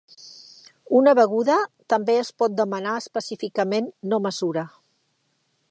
Una beguda també es pot demanar específicament "no mesura".